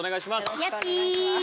よろしくお願いします。